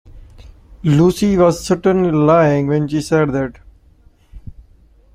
Lucy was certainly lying when she said that.